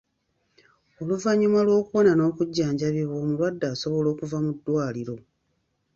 Oluvannyuma lw'okuwona n'okujjanjabibwa, omulwadde asobola okuva mu ddwaliro.